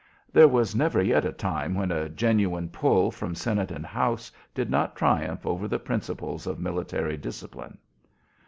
There was never yet a time when a genuine "pull" from Senate and House did not triumph over the principles of military discipline.